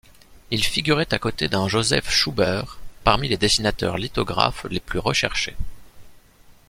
Il figurait à côté d'un Joseph Schubert parmi les dessinateurs lithographes les plus recherchés.